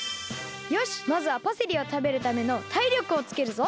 よしまずはパセリをたべるためのたいりょくをつけるぞ。